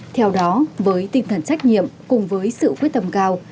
theo đó với tinh thần trách nhiệm cùng với sự quyết tâm cao